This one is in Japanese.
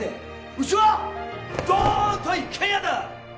うちは「ドーンと一軒家」だ！